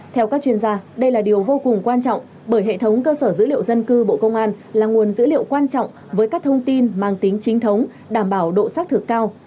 theo các chuyên gia đây là điều vô cùng quan trọng bởi hệ thống cơ sở dữ liệu dân cư bộ công an là nguồn dữ liệu quan trọng với các thông tin mang tính chính thống đảm bảo độ xác thực cao